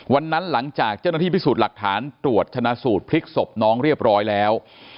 หลังจากเจ้าหน้าที่พิสูจน์หลักฐานตรวจชนะสูตรพลิกศพน้องเรียบร้อยแล้ว